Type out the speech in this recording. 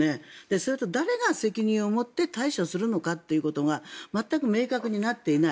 それと、誰が責任を持って対処するのかが全く明確になっていない。